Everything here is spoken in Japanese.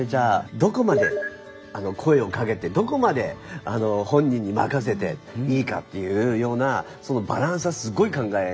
どこまで声をかけてどこまで本人に任せていいかっていうようなそのバランスはすごい考えますね。